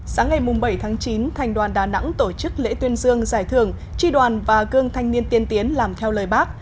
sáng ngày bảy tháng chín thành đoàn đà nẵng tổ chức lễ tuyên dương giải thưởng tri đoàn và gương thanh niên tiên tiến làm theo lời bác